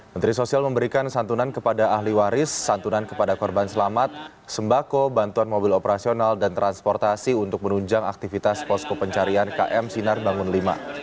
menteri sosial memberikan santunan kepada ahli waris santunan kepada korban selamat sembako bantuan mobil operasional dan transportasi untuk menunjang aktivitas posko pencarian km sinar bangun v